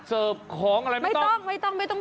เสิร์ฟของอะไรไม่ต้อง